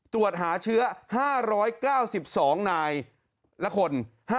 ตรวจหาเชื้อ๕๙๒นายและคน